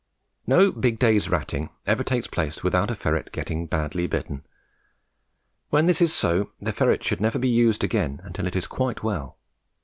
No big day's ratting ever takes place without a ferret getting badly bitten. When this is so, the ferret should never be used again until it is quite well.